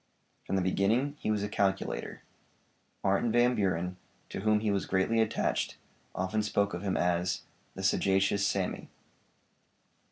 From the beginning he was a calculator. Martin Van Buren, to whom he was greatly attached, often spoke of him as 'The sagacious Sammy.'